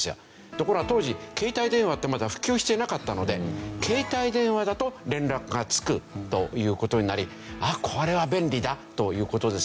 ところが当時携帯電話ってまだ普及していなかったので携帯電話だと連絡が付くという事になり「あっこれは便利だ」という事ですよね。